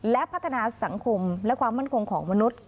และพัฒนาสังคมและความมั่นคงของมนุษย